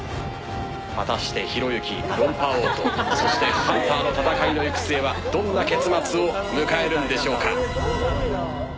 果たして、ひろゆき、論破王とハンターの戦いの行く末はどんな結末を迎えるんでしょうか。